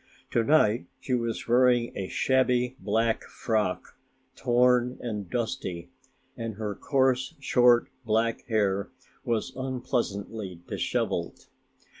To night she was wearing a shabby black frock, torn and dusty, and her coarse short black hair was unpleasantly disheveled.